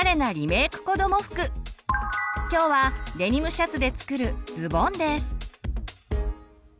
今日はデニムシャツで作る「ズボン」です。